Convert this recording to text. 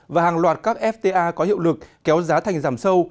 và hàng loạt các fta có hiệu lực kéo giá thành giảm sâu